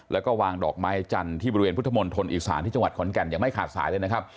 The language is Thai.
แล้วก็วางดอกไม้จันทร์ที่บริเวณพุทธมนตรอีสานที่จังหวัดขอนแก่นยังไม่ขาดสายเลยนะครับ